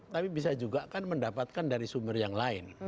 tapi bisa juga kan mendapatkan dari sumber yang lain